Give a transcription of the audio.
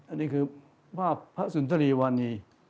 อันนี้คือภาพพระสุนทรีวานี